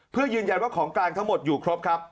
เพื่อยืนยันว่าของกลางทั้งหมดอยู่ครบครับ